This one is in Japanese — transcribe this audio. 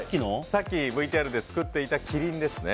さっきＶＴＲで作っていたキリンですね。